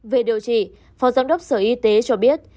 về điều trị phó giám đốc sở y tế cho biết